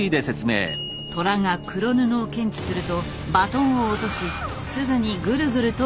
トラが黒布を検知するとバトンを落としすぐにグルグルと巻き取る。